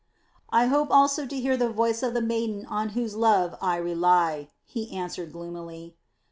"I hoped also to hear the voice of the maiden on whose love I rely," he answered gloomily.